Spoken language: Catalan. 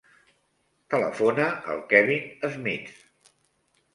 Telefona al Kevin Smith.